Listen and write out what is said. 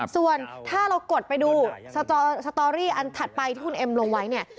ส่วนถ้าเรากดไปดูสตอรี่อันถัดไปที่คุณเอ็มลงไว้เนี่ย